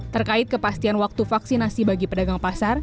terkait kepastian waktu vaksinasi bagi pedagang pasar